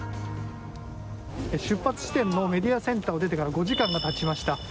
出発地点のメディアセンターを出てから５時間がたちました。